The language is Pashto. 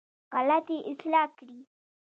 غلطي اصلاح کړې.